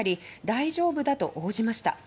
「大丈夫だ」と応じました。